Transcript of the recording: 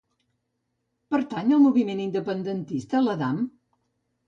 Pertany al moviment independentista l'Adam?